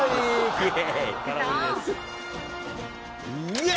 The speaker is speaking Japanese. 空振りです。